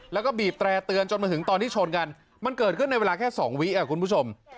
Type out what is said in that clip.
แล้วก็บีบแตร่เตือนจนมาถึงตอนที่ชนกันมันเกิดขึ้นในเวลาแค่๒วิคุณผู้ชม